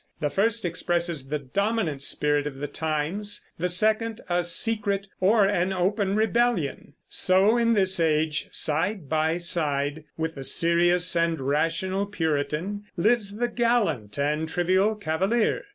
The first expresses the dominant spirit of the times; the second, a secret or an open rebellion. So in this age, side by side with the serious and rational Puritan, lives the gallant and trivial Cavalier.